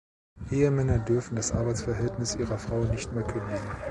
Ehemänner dürfen das Arbeitsverhältnis ihrer Frau nicht mehr kündigen.